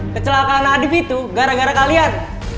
kecelakaan adib itu gara gara kalian